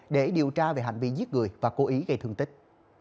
để điều tra về hành vi giết người và cố ý gây thương tích